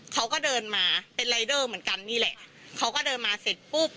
เขาก็เดินมาเสร็จปุ๊บ